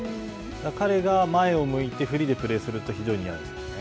彼が前を向いてフリーでプレーすると非常に嫌ですね。